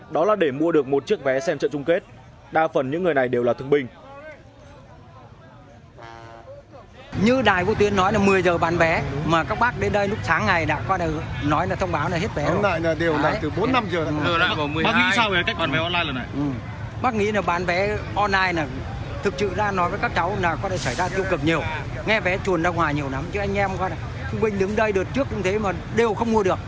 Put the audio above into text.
đó là để mua được một chiếc vé xem trận chung kết đa phần những người này đều là thương binh